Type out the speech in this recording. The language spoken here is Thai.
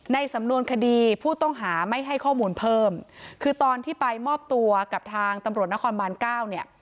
สำนวนคดีผู้ต้องหาไม่ให้ข้อมูลเพิ่มคือตอนที่ไปมอบตัวกับทางตำรวจนครบานเก้าเนี่ย